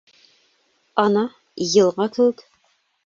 Ана, йылға кеүек.